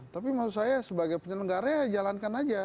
tapi maksud saya sebagai penyelenggara ya jalankan aja